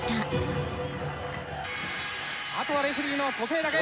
あとはレフェリーの時計だけ。